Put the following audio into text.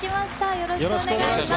よろしくお願いします。